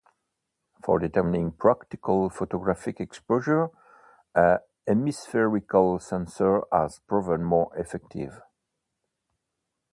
For determining practical photographic exposure, a hemispherical sensor has proven more effective.